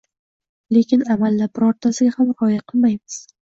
Lekin amalda birortasiga ham rioya qilmaymiz